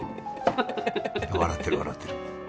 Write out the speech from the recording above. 笑ってる笑ってる。